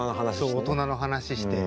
そう大人の話して。